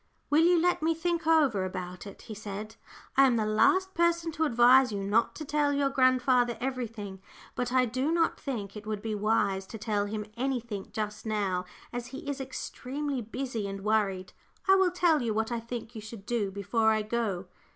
"Will you let me think over about it?" he said. "I am the last person to advise you not to tell your grandfather everything, but I do not think it would be wise to tell him anything just now, as he is extremely busy and worried. I will tell you what I think you should do before I go."